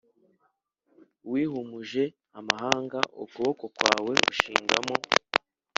Wimuje amahanga ukuboko kwawe ushingamo